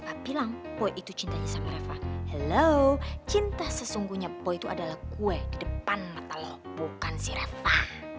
oh my god siapa bilang boy itu cintanya sama reva hello cinta sesungguhnya boy itu adalah kue di depan mata lo bukan si reva